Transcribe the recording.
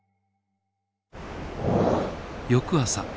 翌朝。